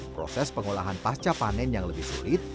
proses pengolahan pasca panen yang lebih sulit